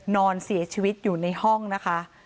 นอนเสียชีวิตอยู่ในห้องนะคะ